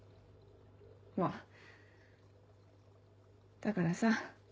まぁだからさ